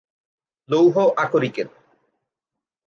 লৌহ আকরিকের।